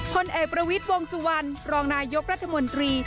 พลเอกประวิทย์วงสุวรรณรองนายกรัฐมนตรี